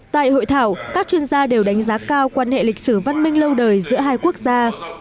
tại hội thảo các chuyên gia đều đánh giá cao quan hệ lịch sử văn minh lâu đời giữa hai quốc gia